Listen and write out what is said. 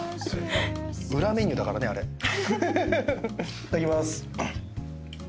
いただきます。